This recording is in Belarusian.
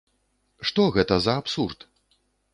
Што гэта за абсурд?